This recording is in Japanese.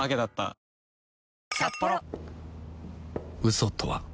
嘘とは